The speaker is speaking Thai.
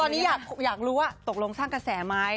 ตอนนี้อยากรู้ว่าตกลงสร้างกระแสไหม